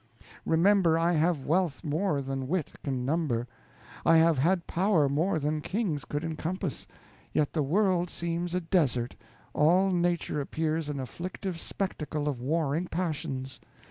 Remember, I have wealth more than wit can number; I have had power more than kings could emcompass; yet the world seems a desert; all nature appears an afflictive spectacle of warring passions.